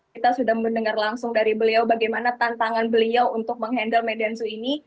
kita sudah mendengar langsung dari beliau bagaimana tantangan beliau untuk mengendal medan zoo ini